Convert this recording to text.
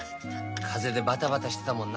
風邪でバタバタしてたもんな。